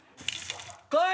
来い！